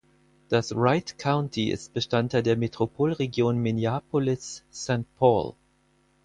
Das Wright County ist Bestandteil der Metropolregion Minneapolis-Saint Paul.